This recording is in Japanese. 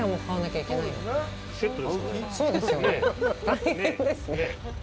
大変ですね。